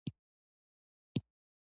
ژمی د افغان کورنیو د دودونو مهم عنصر دی.